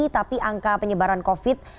tapi angka penyebaran covid